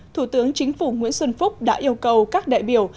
thủ tướng chính phủ nguyễn xuân phúc đã yêu cầu các đại biểu